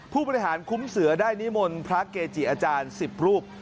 ผู้บริหารคุ้มเสือได้นิมนต์พระเกจิอาจารย์๑๐รูป